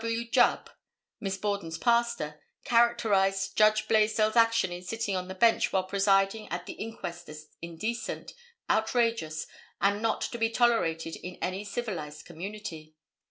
W. Jubb, Miss Borden's pastor, characterized Judge Blaisdell's action in sitting on the bench while presiding at the inquest as indecent, outrageous and not to be tolerated in any civilized community.